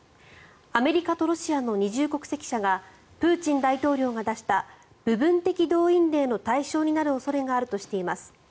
アメリカとロシアの二重国籍者がプーチン大統領が出した部分的動員令の対象になる恐れがあるとしています。